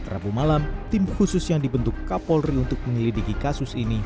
rabu malam tim khusus yang dibentuk kapolri untuk menyelidiki kasus ini